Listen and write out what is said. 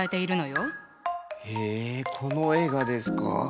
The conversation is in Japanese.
へえこの絵がですか？